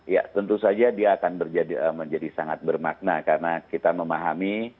ya tentu saja dia akan menjadi sangat bermakna karena kita memahami